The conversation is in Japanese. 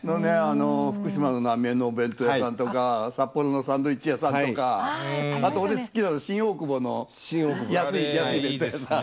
「福島の浪江のお弁当屋さん」とか「札幌のサンドイッチ屋さん」とかあと俺好きなのは「新大久保の安い弁当屋さん」。